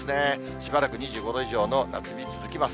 しばらく２５度以上の夏日続きます。